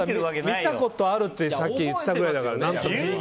見たことあるって言ってたくらいだから。